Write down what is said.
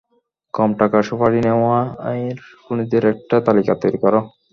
কম টাকার সুপাড়ি নেওয়ার খুনিদের একটা তালিকা তৈরি কর।